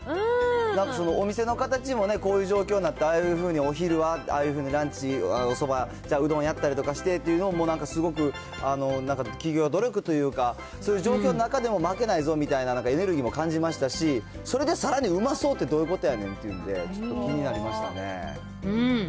お店の方たちもこういう状況になって、ああいうふうにお昼は、ああいうふうにランチ、おそば、じゃあ、うどんやったりして、もうなんかすごくなんか企業努力というか、そういう状況の中でも、負けないぞというエネルギーも感じましたし、それでさらにうまそうってどういうことやねんっていうんで、うん。